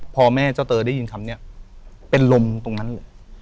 พอแม่เจ้าเตยได้ยินคำนี้เป็นลมตรงนั้นเลย